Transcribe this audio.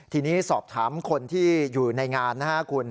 ทีนี้สอบถามคนที่อยู่ในงานนะครับคุณ